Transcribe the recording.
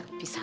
ini dia siaku